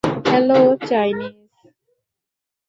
Hello, Chinese.